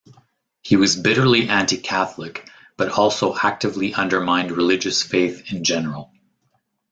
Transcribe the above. He was bitterly anti-Catholic but also actively undermined religious faith in general.